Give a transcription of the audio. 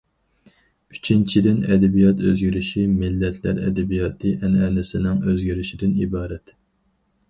ئۈچىنچىدىن، ئەدەبىيات ئۆزگىرىشى مىللەتلەر ئەدەبىياتى ئەنئەنىسىنىڭ ئۆزگىرىشىدىن ئىبارەت.